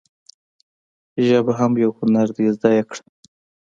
ژبه هم یو هنر دي زده یی کړه.